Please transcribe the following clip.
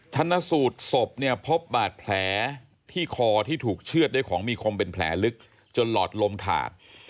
ชนะสูตรศพเนี่ยพบบาดแผลที่คอที่ถูกเชื่อดด้วยของมีคมเป็นแผลลึกจนหลอดลมขาด